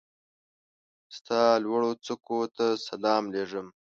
ستا لوړوڅوکو ته سلام لېږم